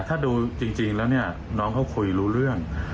ถ้าดูจริงแล้วเนี่ยน้องเขาคุยรู้เรื่อง